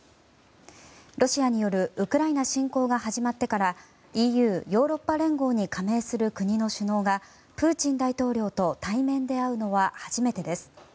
ロシアによるウクライナ侵攻が始まってからＥＵ・ヨーロッパ連合に加盟する国の首脳がプーチン大統領と対面で会うのは初めてです。